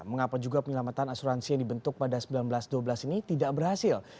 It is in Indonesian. mengapa juga penyelamatan asuransi yang dibentuk pada seribu sembilan ratus dua belas ini tidak berhasil